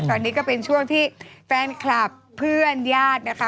ตอนนี้ก็เป็นช่วงที่แฟนคลับเพื่อนญาตินะคะ